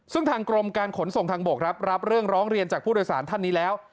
ซึ่งทางกรมการขนส่งทางบกรับเรื่องร้องเรียนจากผู้โดยสารท่านนี้แล้ว